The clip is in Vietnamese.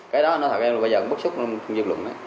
cái đó anh nói thật em là bây giờ bất xúc không dư luận